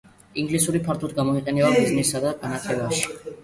ინგლისური ფართოდ გამოიყენება ბიზნესსა და განათლებაში.